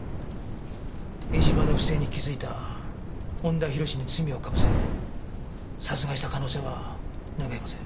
江島の不正に気づいた恩田浩に罪を被せ殺害した可能性はぬぐえません。